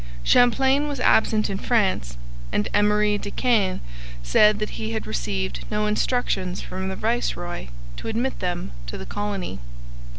Champlain was absent in France, and Emery de Caen said that he had received no instructions from the viceroy to admit them to the colony.